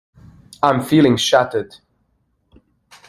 I am feeling shattered.